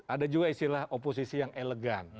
ada juga istilah oposisi yang elegan